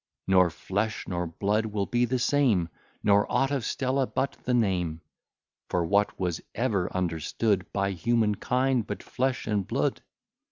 Nor flesh nor blood will be the same Nor aught of Stella but the name: For what was ever understood, By human kind, but flesh and blood?